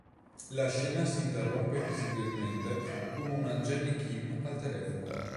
La scena si interrompe visibilmente con una di Jennie Kim al telefono.